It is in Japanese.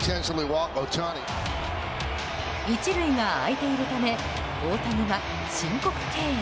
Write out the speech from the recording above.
１塁が空いているため大谷は申告敬遠。